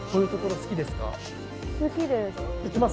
好きです。